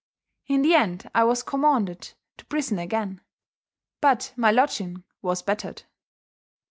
In the end I was commaunded to prisson agein, but my lodging was bettered."